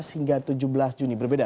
lima belas hingga tujuh belas juni berbeda